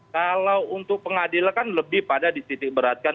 kalau untuk pengadilan kan lebih pada di titik beratkan